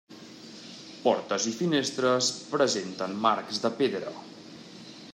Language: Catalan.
Portes i finestres presenten marcs de pedra.